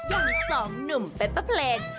อย่างสองหนุ่มเป็นประเพลง